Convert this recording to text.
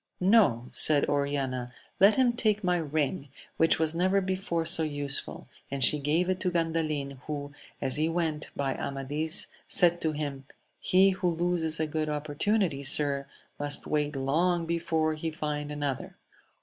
No: said Oriana, let him take my ring, which was never before so useful : and she gave it to Gandalin, who, as he went by Amadis, said to him, He who loses a good opportunity, sir, must wait long before he find another.